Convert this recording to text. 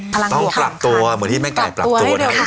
ต้องปรับตัวเหมือนที่แม่ไก่ปรับตัวเนี่ย